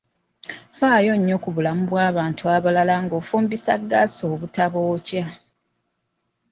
Ffaayo nnyo ku bulamu bw'abantu abalala ng'ofumbisa ggasi obutabookya.